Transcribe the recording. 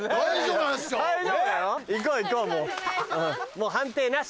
もう判定なし。